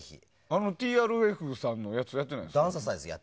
ＴＲＦさんのやつはやってないんですか？